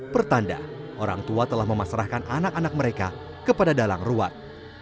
pertanda orang tua telah memasrahkan anak anak mereka kepada dalang ruat